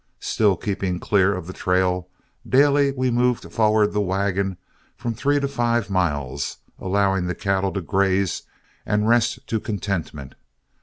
Still keeping clear of the trail, daily we moved forward the wagon from three to five miles, allowing the cattle to graze and rest to contentment.